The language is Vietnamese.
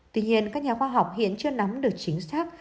tuy nhiên các nhà khoa học hiện chưa nắm được chính xác